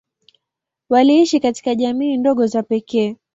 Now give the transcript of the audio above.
Waliishi katika jamii ndogo za pekee.